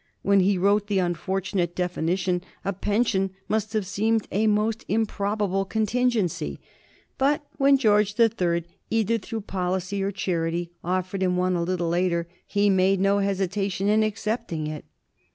When he wrote the unfortunate definition a pension must have seemed a most improbable contingency, but when George III., either through policy or charity, offered him one a little later, he made no hesitation in accepting it.